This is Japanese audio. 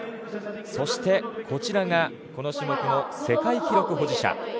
そして、こちらがこの種目の世界記録保持者